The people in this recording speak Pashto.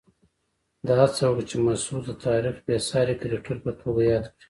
ده هڅه وکړه چې مسعود د تاریخ بېساري کرکټر په توګه یاد کړي.